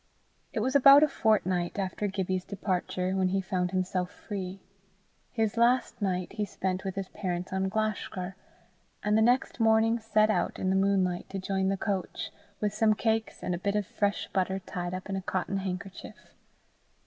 It was about a fortnight after Gibbie's departure when he found himself free. His last night he spent with his parents on Glashgar, and the next morning set out in the moonlight to join the coach, with some cakes and a bit of fresh butter tied up in a cotton handkerchief.